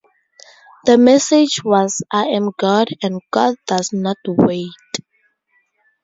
The message was "I am God and God does not wait".